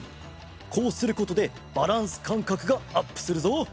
こうすることでバランスかんかくがアップするぞ。